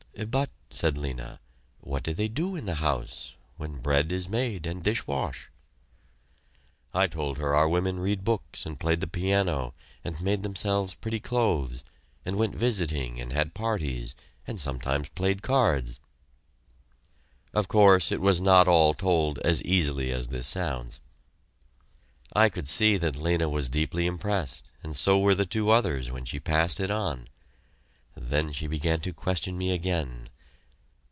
"But," said Lena, "what do they do in house when bread is made and dish wash?" I told her our women read books and played the piano and made themselves pretty clothes and went visiting and had parties, and sometimes played cards. Of course it was not all told as easily as this sounds. I could see that Lena was deeply impressed, and so were the two others when she passed it on. Then she began to question me again.